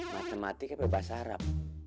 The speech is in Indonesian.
matematika atau bahasa arab